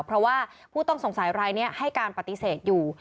เพราะว่าผู้ต้องสงสัยรายนี้ให้การปฏิเสธอยู่